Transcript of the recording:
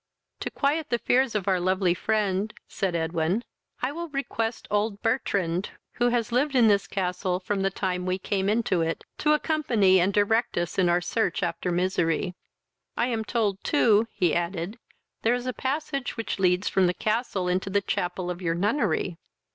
"To quiet the fears of our lovely friend, (said Edwin,) I will request old Bertrand, who has lived in this castle from the time we came into it, to accompany and direct us in our search after misery. I am told too, (he added,) there is a passage which leads from this castle into the chapel of your nunnery.